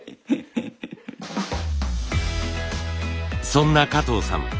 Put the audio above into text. そんな加藤さん